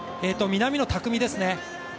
南野拓実ですね。